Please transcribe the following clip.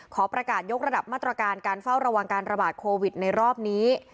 ขอประกาศยกระดับมาตรการการเฝ้าระวังการระบาดโควิดในรอบนี้